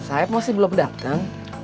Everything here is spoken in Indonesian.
saeb masih belum datang